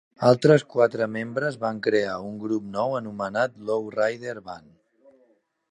Altres quatre membres van crear un grup nou anomenat Lowrider Band.